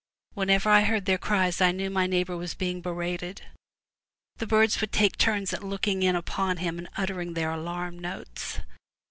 Whenever I heard their cries, I knew my neighbor was being berated. The birds would take turns at looking in upon him and uttering their alarm notes.